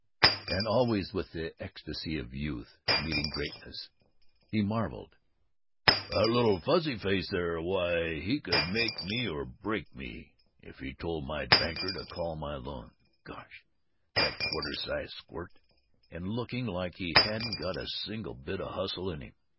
And always, with the ecstasy of youth meeting greatness, he marveled, "That little fuzzy face there, why, he could make me or break me! If he told my banker to call my loans ! Gosh! That quarter sized squirt! And looking like he hadn't got a single bit of hustle to him!